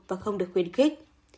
và không được khuyên khích